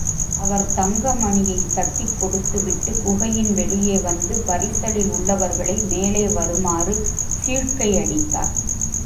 அவர் தங்கமணியைத் தட்டிக் கொடுத்துவிட்டு, குகையின் வெளியே வந்து, பரிசலில் உள்ளவர்களை மேலே வருமாறு சீழ்க்கையடித்தார்.